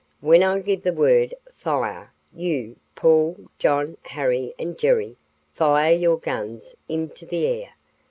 When I give the word, 'fire,' you, Paul, John, Harry and Jerry, fire your guns into the air.